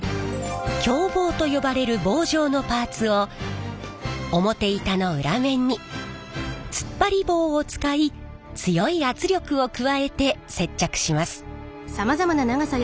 響棒と呼ばれる棒状のパーツを表板の裏面に突っ張り棒を使い強い圧力を加えて接着します。